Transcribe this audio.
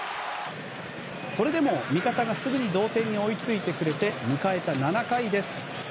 それでも味方がすぐに同点に追いついて迎えた７回です。